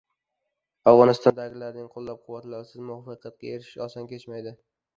• Atrofingdagilarning qo‘llab-quvvatlovisiz muvaffaqiyatga erishish oson kechmaydi.